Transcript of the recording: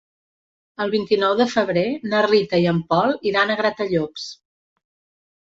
El vint-i-nou de febrer na Rita i en Pol iran a Gratallops.